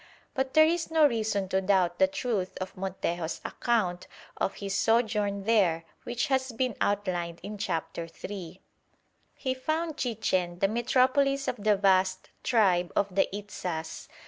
But there is no reason to doubt the truth of Montejo's account of his sojourn there which has been outlined in Chapter III. He found Chichen the metropolis of the vast tribe of the Itzas.